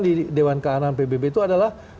di dewan keamanan pbb itu adalah